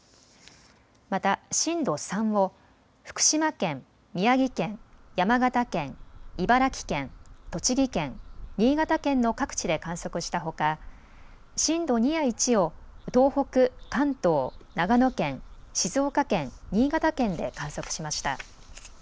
また震度３を福島県、宮城県、山形県、茨城県、栃木県、新潟県の各地で観測したほか震度２や１を東北、関東、長野県、静岡県、新潟県で観測しました。